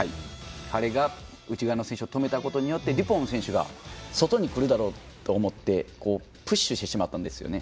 彼が内側の選手を止めたことでデュポン選手が外に来るだろうと思ってプッシュしてしまったんですね。